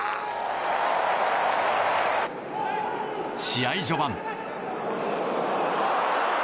試合序盤。